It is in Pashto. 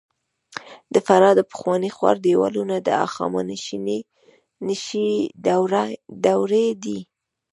د فراه د پخواني ښار دیوالونه د هخامنشي دورې دي